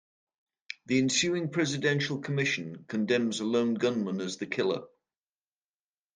The ensuing presidential commission condemns a lone gunman as the killer.